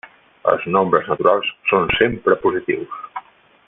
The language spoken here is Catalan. Els nombres naturals són sempre positius.